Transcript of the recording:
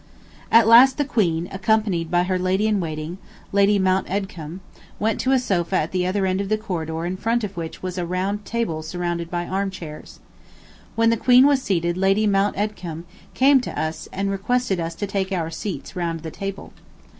At last the Queen, accompanied by her Lady in Waiting, Lady Mount Edgcumbe, went to a sofa at the other end of the corridor in front of which was a round table surrounded by arm chairs. When the Queen was seated Lady Mount Edgcumbe came to us and requested us to take our seats round the table.